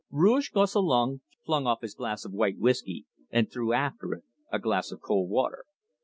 Rouge Gosselin flung off his glass of white whiskey, and threw after it a glass of cold water.